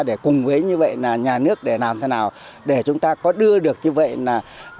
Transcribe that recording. để cùng với như vậy là nhà nước để làm thế nào để chúng ta có đưa được như vậy là